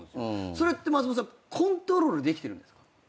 それって松本さんコントロールできてるんですか？